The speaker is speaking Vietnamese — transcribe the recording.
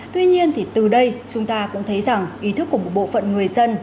tuy nhiên thì từ đây chúng ta cũng thấy rằng ý thức của một bộ phận người dân